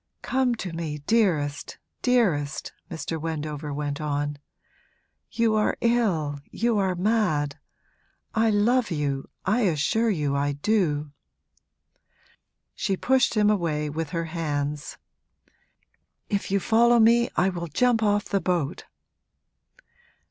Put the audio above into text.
'Come to me, dearest, dearest!' Mr. Wendover went on. 'You are ill, you are mad! I love you I assure you I do!' She pushed him away with her hands. 'If you follow me I will jump off the boat!'